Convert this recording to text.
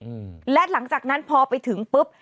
สมกันเป็นสิบและหลังจากนั้นพอไปถึงปุ๊บ